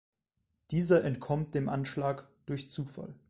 Dieser entkommt dem Anschlag durch Zufall.